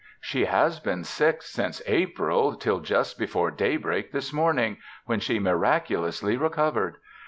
She has been sick since April till just before day break this morning, when she miraculously recovered.